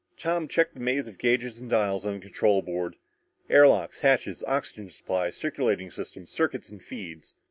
Tom checked the maze of gauges and dials on the control board. Air locks, hatches, oxygen supply, circulating system, circuits, and feeds.